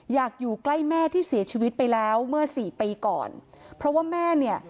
อยู่ใกล้แม่ที่เสียชีวิตไปแล้วเมื่อสี่ปีก่อนเพราะว่าแม่เนี่ย